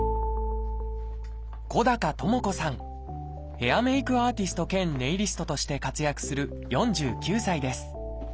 ヘアメイクアーティスト兼ネイリストとして活躍する４９歳です。